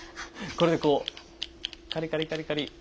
これでこうカリカリカリカリ。